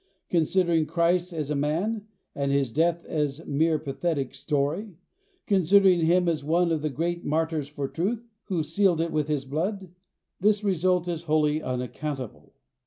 Considering Christ as a man, and his death as a mere pathetic story, considering him as one of the great martyrs for truth, who sealed it with his blood, this result is wholly unaccountable.